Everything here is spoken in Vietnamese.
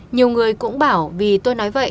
nhiều người cũng bảo vì tôi nói vậy